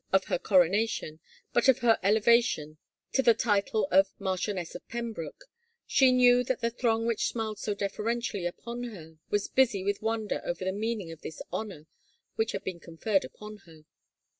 of her coronation, but of her elevation to the title of 234 THE MARCHIONESS Marchioness of Pembroke, she knew that the throng which smiled so deferentially upon her was busy with wonder over the meaning of this honor which had been conferred upon her.